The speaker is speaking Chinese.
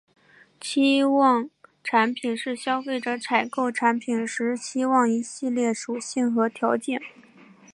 期望产品是消费者采购产品时期望的一系列属性和条件。